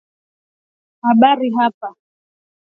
ili waweze kuendelea kuendesha operesheni zao za habari hapa